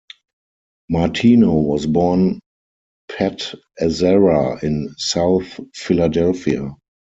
Martino was born Pat Azzara in South Philadelphia.